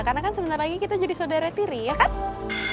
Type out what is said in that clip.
karena kan sebentar lagi kita jadi saudara tiri ya kan